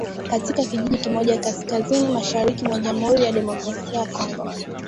katika kijiji kimoja kaskazini mashariki mwa Jamhuri ya Kidemokrasia ya Kongo